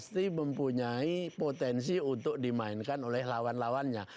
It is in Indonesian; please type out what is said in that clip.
pasti mempunyai potensi untuk dimainkan oleh lawan lawannya